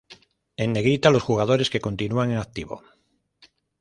En negrita los jugadores que continúan en activo.